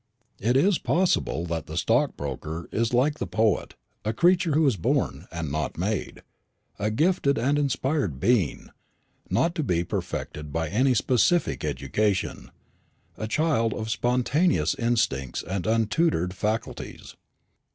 It is possible that the stockbroker is like the poet, a creature who is born, and not made; a gifted and inspired being, not to be perfected by any specific education; a child of spontaneous instincts and untutored faculties.